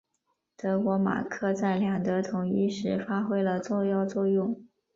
德国马克在两德统一时发挥了重要作用。